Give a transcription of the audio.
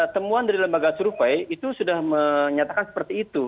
temuan dari lembaga survei itu sudah menyatakan seperti itu